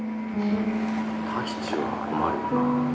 ・タヒチは困るよな。